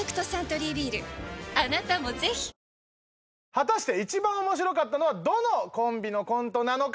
果たして一番面白かったのはどのコンビのコントなのか？